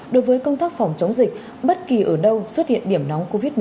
đối với công tác phòng chống dịch bất kỳ ở đâu xuất hiện điểm nóng covid một mươi chín